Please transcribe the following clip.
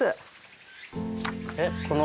えっこの。